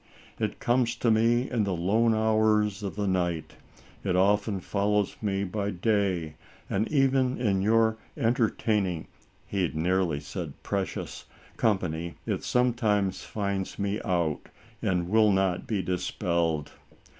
It comes to me in the lone hours of the night; it often follows me by day, and, even in your entertaining (he had nearly said precious) company, it sometimes finds me out, and will not be dispelled.